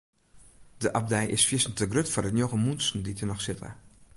De abdij is fierstente grut foar de njoggen muontsen dy't der noch sitte.